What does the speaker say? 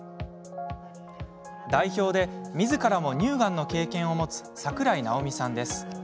代表で、みずからも乳がんの経験を持つ桜井なおみさんです。